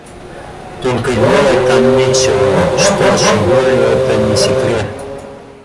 Только делать там нечего — что ж, Долли, это не секрет!